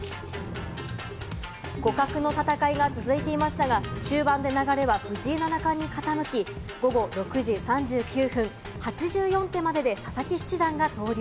互角の戦いが続いていましたが、終盤で流れは藤井七冠に傾き、午後６時３９分、８４手までで佐々木七段が投了。